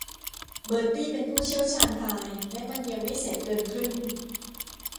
เบอร์ตี้เป็นผู้เชี่ยวชาญพายและมันยังไม่เสร็จเกินครึ่ง